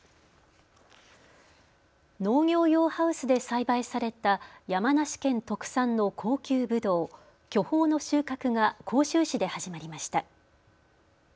農業用ハウスで栽培された山梨県特産の高級ぶどう、巨峰の収穫が甲州市で始まりました。